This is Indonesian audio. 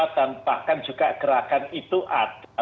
dan bahkan juga gerakan itu ada